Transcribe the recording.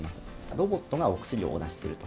ロボットがお薬をお出しすると。